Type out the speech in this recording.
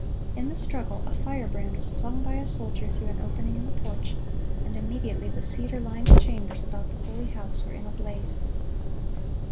In the struggle, a firebrand was flung by a soldier through an opening in the porch, and immediately the cedar lined chambers about the holy house were in a blaze.